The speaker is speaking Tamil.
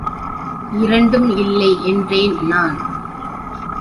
இரண்டும் இல்லை என்றேன் நான்.